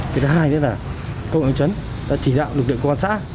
cái thứ hai nữa là công an huyện văn chấn đã chỉ đạo lực lượng quan xã